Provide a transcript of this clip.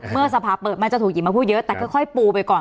เมื่อสภาเปิดมันจะถูกหยิบมาพูดเยอะแต่ค่อยปูไปก่อน